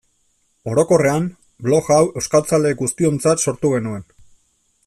Orokorrean, blog hau euskaltzale guztiontzat sortu genuen.